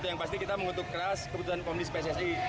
yang pasti kita mengutuk keras keputusan komdis pssi